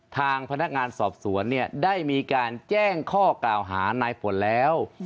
ทางพนักงานสอบสวนเนี่ยได้มีการแจ้งข้อกล่าวหานายฝนแล้ว